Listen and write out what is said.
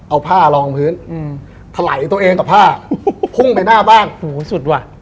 เอาผ้ารองพื้นอืมถลายตัวเองกับผ้าพุ่งไปหน้าบ้านหูสุดว่ะ